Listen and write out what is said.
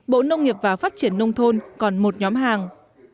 bộ nông nghiệp và phát triển nông thôn còn một nhóm hàng